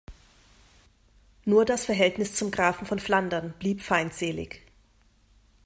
Nur das Verhältnis zum Grafen von Flandern blieb feindselig.